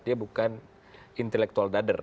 dia bukan intelektual dader